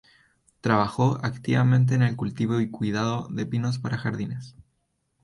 Trabajó activamente en el cultivo y cuidado de pinos para jardines.